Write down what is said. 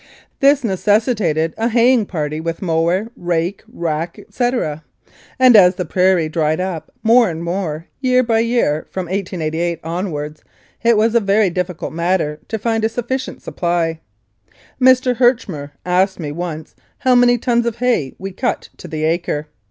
This necessitated a nay ing party with mower, rake, rack, etc., and as the prairie dried up more and more, year by year from 1888 onwards it was a very difficult matter to find a sufficient supply. Mr. Herchmer asked me once how many tons of hay we cut to the acre.